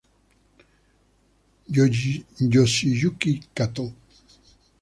Yoshiyuki Katō